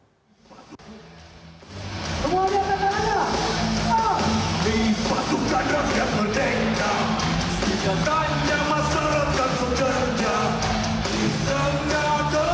di pasukan rakyat merdeka sejajar tanjam masyarakat pekerja